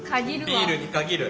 ビールに限る？